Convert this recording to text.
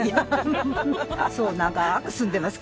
そう長く住んでますから。